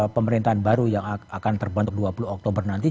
pemerintahan baru yang akan terbentuk dua puluh oktober nanti